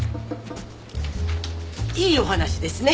いいお話ですね。